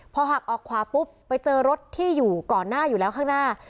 พอหักออกขวาปุ๊บไปเจอรถที่อยู่ก่อนหน้าอยู่แล้วข้างหน้า